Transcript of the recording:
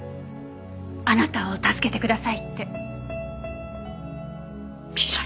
あなたを助けてくださいって。